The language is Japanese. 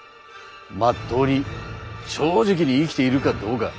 まっとうに正直に生きているかどうか。